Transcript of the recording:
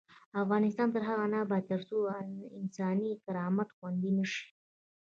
افغانستان تر هغو نه ابادیږي، ترڅو انساني کرامت خوندي نشي.